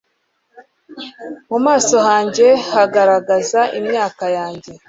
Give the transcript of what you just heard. Mu maso hanjye hagaragaza imyaka yanjye